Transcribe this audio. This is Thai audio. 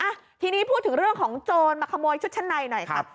อ่ะทีนี้พูดถึงเรื่องของโจรมาขโมยชุดชั้นในหน่อยครับ